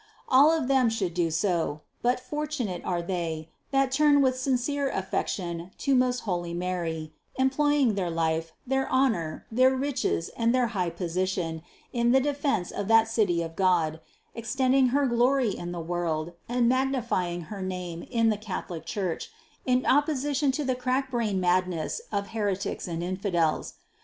All of them should do so; but fortunate are they, that turn with sincere affection to most holy Mary, employing their life, their honor, their riches, and their high position in the defense of that City of God, extending her glory in the world and magnifying her name in the Catholic Church in opposition to the crackbrained madness of heretics and infidels.